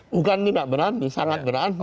bukan ini enggak berani sangat berani